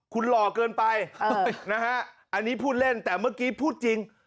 คุณหล่อเกินไปนะฮะอันนี้พูดเล่นแต่เมื่อกี้พูดจริง